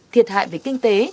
thiệt hại về kinh tế